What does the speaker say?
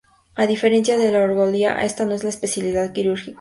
A diferencia de la urología, esta no es una especialidad quirúrgica.